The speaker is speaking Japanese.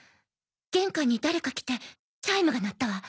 玄関に誰か来てチャイムが鳴ったわ。